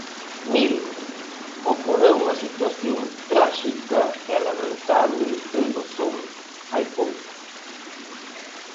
Miren, ocorreu unha situación tráxica e lamentable en Dozón hai pouco.